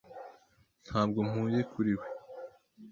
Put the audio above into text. Ntabwo mpuye kuri we.